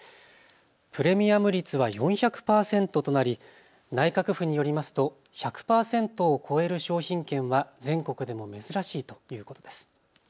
プレミアム率は４００％となり内閣府によりますと１００％を超える商品券は全国でも珍しいということです。